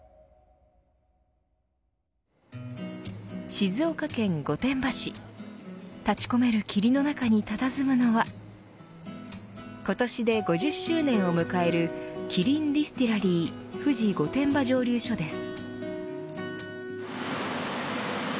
静岡県御殿場市立ち込める霧の中にたたずむのは今年で５０周年を迎えるキリンディスティラリー富士御殿場蒸溜所です。